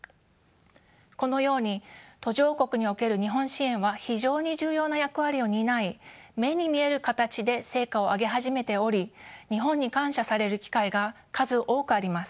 このように途上国における日本支援は非常に重要な役割を担い目に見える形で成果を上げ始めており日本に感謝される機会が数多くあります。